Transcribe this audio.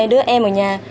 hai đứa em ở nhà